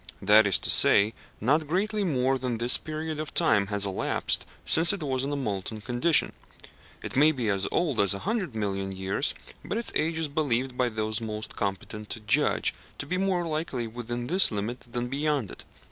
That is to say, not greatly more than this period of time has elapsed since it was in a molten condition. It may be as old as a hundred million years, but its age is believed by those most competent to judge to be more likely within this limit than beyond it.